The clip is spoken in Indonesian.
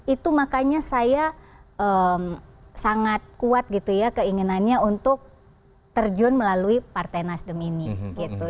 itu makanya saya sangat kuat gitu ya keinginannya untuk terjun melalui partai nasdem ini gitu